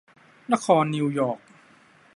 นครนิวยอร์ค